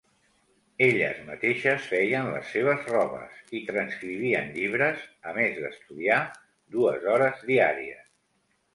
Elles mateixes feien les seves robes i transcrivien llibres, a més d'estudiar dues hores diàries.